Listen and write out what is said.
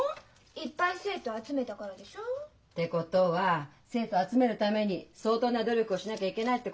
いっぱい生徒を集めたからでしょう？ってことは生徒を集めるために相当な努力をしなきゃいけないってことよ。